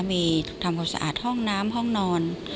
มีทำความสะอาดห้องน้ำห้องนอน